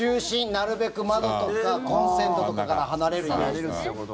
なるべく窓とかコンセントとかから離れるイメージです。